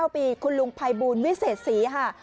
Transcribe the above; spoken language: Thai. ๙ปีคุณลุงภัยบูลวิเศษศรีค่ะ